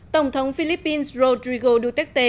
tổng thống philippines rodrigo duterte